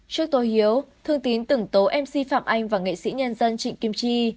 trước tối hiếu thương tín tửng tố mc phạm anh và nghệ sĩ nhân dân trịnh kim chi